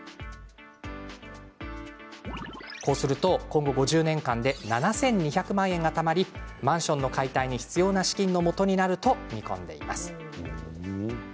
こうすると今後５０年間で７２００万円がたまりマンションの解体に必要な資金のもとになると見込んでいます。